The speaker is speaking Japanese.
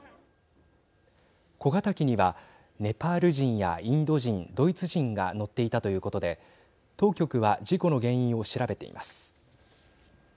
小型機にはネパール人やインド人ドイツ人が乗っていたということで当局は事故の原因を調べています。